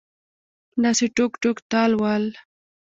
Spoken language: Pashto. داسې ټوک ټوک تال ول